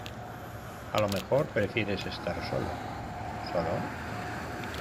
a lo mejor prefieres estar solo. ¿ solo?